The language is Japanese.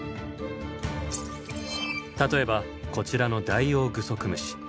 例えばこちらのダイオウグソクムシ。